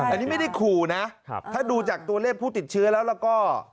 อันนี้ไม่ได้ขู่นะถ้าดูจากตัวเลขผู้ติดเชื้อแล้วแล้วก็